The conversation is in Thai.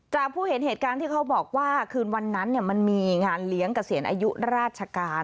ผู้เห็นเหตุการณ์ที่เขาบอกว่าคืนวันนั้นมันมีงานเลี้ยงเกษียณอายุราชการ